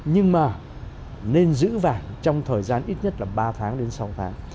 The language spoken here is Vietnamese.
nhưng mà nên giữ vàng trong thời gian ít nhất là ba tháng đến sáu tháng